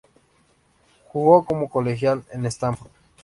Jugo como colegial en Stanford.